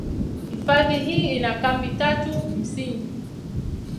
Hifadhi hii ina kambi tatu msingi.